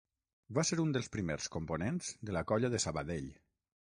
Va ser un dels primers components de la Colla de Sabadell.